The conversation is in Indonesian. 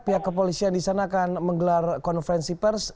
pihak kepolisian di sana akan menggelar konferensi pers